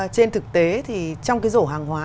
trên thực tế thì trong cái rổ hàng hóa